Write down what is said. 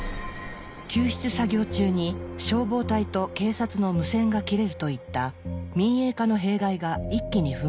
救出作業中に消防隊と警察の無線が切れるといった民営化の弊害が一気に噴出。